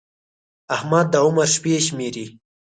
احمد د عمر شپې شمېري.